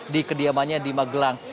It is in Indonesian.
di kediamannya di magelang